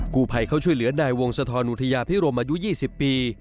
กูภัยเขาช่วยเหลือในวงศทนุธยาพิรมอายุยี่สิบปี